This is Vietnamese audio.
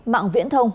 mạng viễn thông